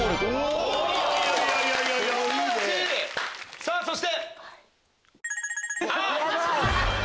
さぁそして！